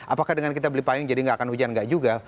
apakah dengan kita beli payung jadi nggak akan hujan nggak juga